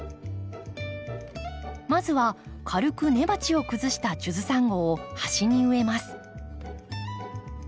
まずは軽く根鉢を崩したジュズサンゴを端に植えます。